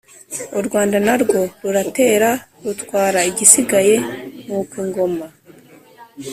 u rwanda na rwo ruratera, rutwara igisigaye, nuko ingoma